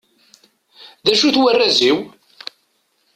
D acu-t warraz-iw?